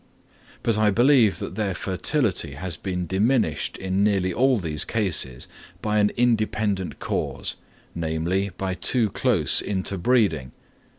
But I believe that their fertility has been diminished in nearly all these cases by an independent cause, namely, by too close interbreeding.